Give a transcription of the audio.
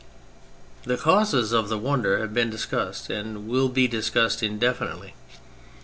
The causes of the wonder have been dis cussed, and will be discussed indefinitely.